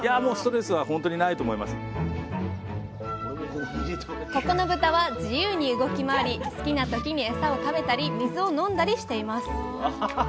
ここの豚は自由に動き回り好きな時にエサを食べたり水を飲んだりしています。